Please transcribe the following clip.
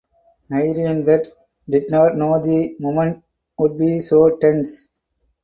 Nierenberg did not know the moment would be so tense.